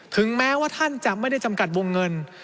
ถึงแม้ว่าท่านจะไม่ได้จำกัดวงเงิน